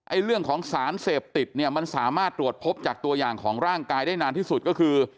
เรื่องของสารเสพติดเนี่ยมันสามารถตรวจพบจากตัวอย่างของร่างกายได้นานที่สุดก็คือ